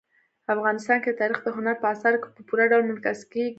افغانستان کې تاریخ د هنر په اثارو کې په پوره ډول منعکس کېږي.